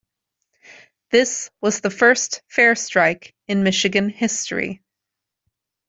This was the first fare strike in Michigan history.